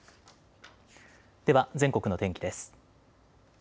では全国の天気です。